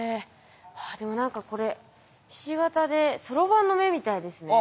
でも何かこれひし形でそろばんの目みたいですね。